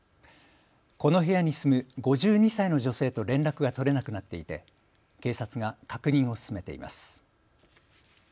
この部屋に住む５２歳の女性と連絡が取れなくなっていて警察が確認を進めています。